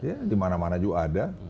ya di mana mana juga ada